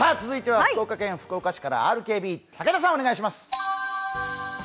続いては福岡県福岡市からＲＫＢ、武田さんお願いします。